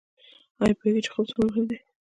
ایا پوهیږئ چې خوب څومره مهم دی؟